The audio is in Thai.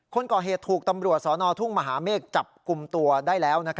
คนก่อเหตุถูกตำรวจสนทุ่งมหาเมฆจับกลุ่มตัวได้แล้ว